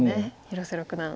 広瀬六段。